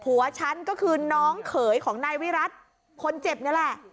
หัวฉันก็คือน้องเขยของนายวิรัติคนเจ็บนี่แหละ